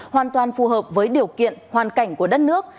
hoàn toàn phù hợp với điều kiện hoàn cảnh của đất nước